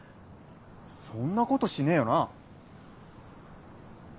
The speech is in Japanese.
そんなことしねえよなぁ？